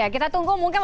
kita tunggu mungkin